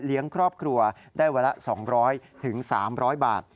เลี้ยงครอบครัวได้เวลา๒๐๐๓๐๐บาท